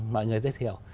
mọi người giới thiệu